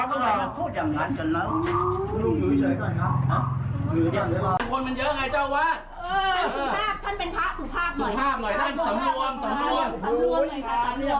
พวกมันเยอะไงเจ้าอาวาดท่านเป็นพระสุภาพหน่อย